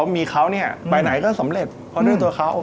มีเขาเนี่ยไปไหนก็สำเร็จเพราะด้วยตัวเขา